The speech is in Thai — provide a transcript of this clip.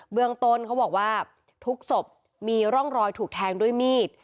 เรื่องต้นเขาบอกว่าทุกศพมีร่องรอยถูกแทงด้วยมีด